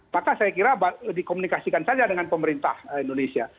maka saya kira dikomunikasikan saja dengan pemerintah indonesia